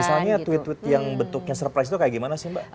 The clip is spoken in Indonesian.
misalnya tweet tweet yang bentuknya surprise itu kayak gimana sih mbak